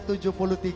tni akan datang